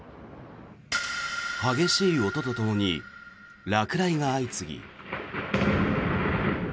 激しい音とともに落雷が相次ぎ。